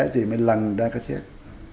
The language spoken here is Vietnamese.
thì mới lằn ra cái xét